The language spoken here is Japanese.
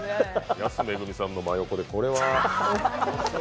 安めぐみさんの真横で、これは。